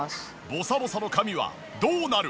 ボサボサの髪はどうなる？